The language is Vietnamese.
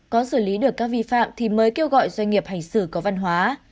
có xử lý được các vi phạm thì mới kêu gọi doanh nghiệp hành xử có văn hóa